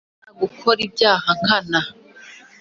Nkana hb gukora ibyaha nkana